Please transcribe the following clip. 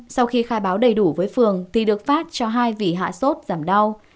sau khi khai báo đầy đủ với phường thì được phát cho hai vị hạ sốt giảm đau